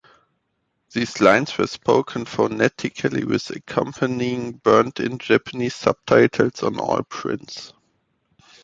These lines were spoken phonetically with accompanying burnt-in Japanese subtitles on all prints.